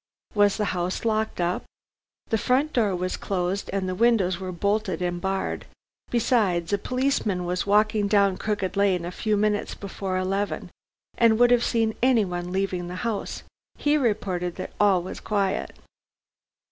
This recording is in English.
"Was the house locked up?" "The front door was closed, and the windows were bolted and barred. Besides, a policeman was walking down Crooked Lane a few minutes before eleven, and would have seen anyone leaving the house. He reported that all was quiet."